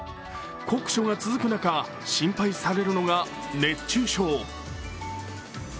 酷暑が続く中心配されるのが熱中症。